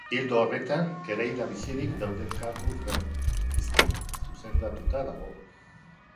Ildo horretan, kereila bizirik dauden kargu frankistei zuzenduta dago.